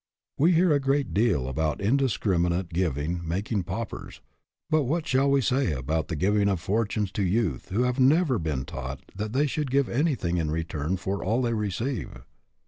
We hear a great deal about indiscriminate giving making paupers ; but what shall we say about the giving of fortunes to youth who have never been taught that they should give any thing in return for all they receive